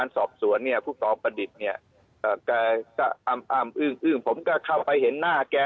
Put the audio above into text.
สอบสวนเนี่ยผู้กองประดิษฐ์เนี่ยแกก็อ้ำอึ้งผมก็เข้าไปเห็นหน้าแก